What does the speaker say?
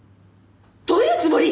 どういうつもり！？